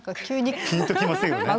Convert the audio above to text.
ピンと来ませんよね。